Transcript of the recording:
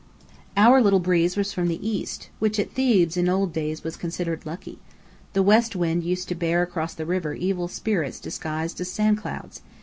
Our little breeze was from the east, which at Thebes in old days was considered lucky. The west wind used to bear across the river evil spirits disguised as sand clouds.